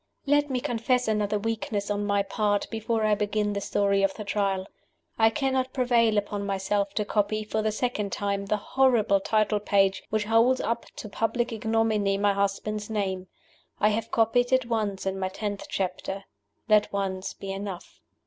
LET me confess another weakness, on my part, before I begin the Story of the Trial. I cannot prevail upon myself to copy, for the second time, the horrible title page which holds up to public ignominy my husband's name. I have copied it once in my tenth chapter. Let once be enough.